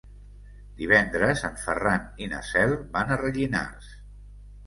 Divendres en Ferran i na Cel van a Rellinars.